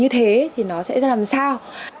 thì nó sẽ ra làm sao